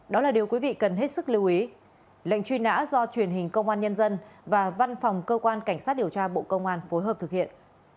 đặc biệt gây ra hình ảnh xấu với đất nước